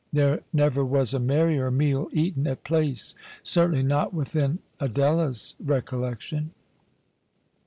There never was a merrier meal eaten at Place — certainly not within Adela's recollection.